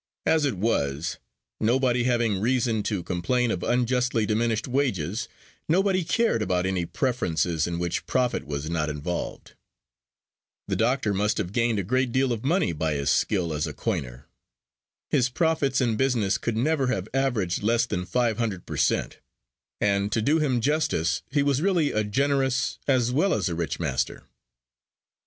As it was, nobody having reason to complain of unjustly diminished wages, nobody cared about any preferences in which profit was not involved. The doctor must have gained a great deal of money by his skill as a coiner. His profits in business could never have averaged less than five hundred per cent; and, to do him justice, he was really a generous as well as a rich master.